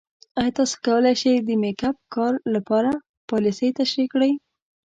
ایا تاسو کولی شئ د میک اپ کار لپاره پالیسۍ تشریح کړئ؟